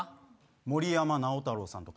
森山直太朗さんとか。